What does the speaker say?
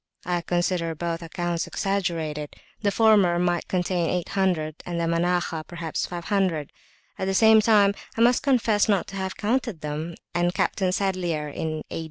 I consider both accounts exaggerated; the former might contain 800, and the Manakhah perhaps 500; at the same time I must confess not to have counted them, and Captain Sadlier (in A.